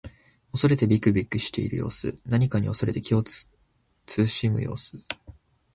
恐れてびくびくしている様子。何かに恐れて気をつけ慎む様子。